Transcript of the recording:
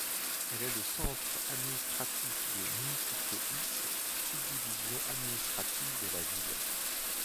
Elle est le centre administratif du Municipio X, subdivision administrative de la ville.